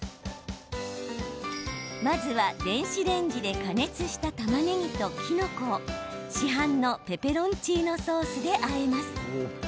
まずは、電子レンジで加熱したたまねぎと、きのこを市販のペペロンチーノソースであえます。